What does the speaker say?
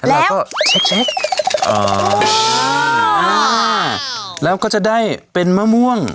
แล้วเราก็เช็คเช็คอ๋ออ๋ออ่าแล้วก็จะได้เป็นมะม่วง